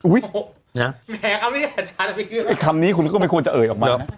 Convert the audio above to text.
อุ้ยแหมคำนี้คุณก็ไม่ควรจะเอ่ยออกมา